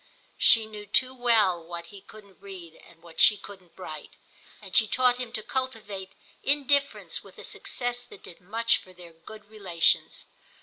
She knew too well what he couldn't read and what she couldn't write, and she taught him to cultivate indifference with a success that did much for their good relations.